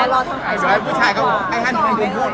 เดี๋ยวให้ผู้ชายก็ให้ฮันกูพูดก่อน